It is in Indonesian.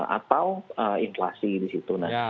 atau inflasi di situ